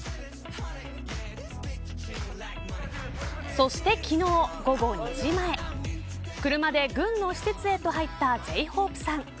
そして昨日午後２時前車で軍の施設へと入ったＪ−ＨＯＰＥさん。